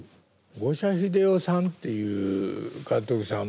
五社英雄さんっていう監督さん